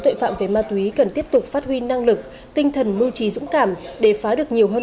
tội phạm về ma túy cần tiếp tục phát huy năng lực tinh thần mưu trí dũng cảm để phá được nhiều hơn